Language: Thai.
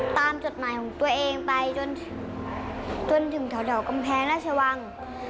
จดหมายของตัวเองไปจนถึงแถวกำแพงราชวัง